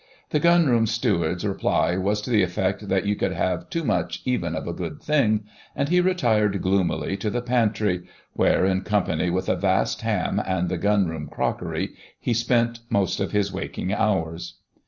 The Gunroom Steward's reply was to the effect that you could have too much even of a good thing, and he retired gloomily to the pantry, where, in company with a vast ham and the gunroom crockery, he spent most of his waking hours.